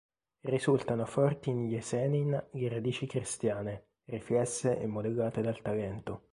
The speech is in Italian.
Risultano forti in Esenin le radici cristiane, riflesse e modellate dal talento.